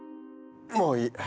もういい！